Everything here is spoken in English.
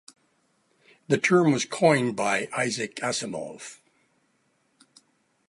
The term was coined by Isaac Asimov.